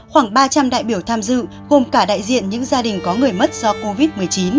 khoảng ba trăm linh đại biểu tham dự gồm cả đại diện những gia đình có người mất do covid một mươi chín